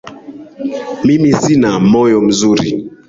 Mimi sina moyo mzuri